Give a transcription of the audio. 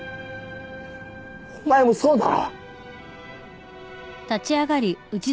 お前もそうだろ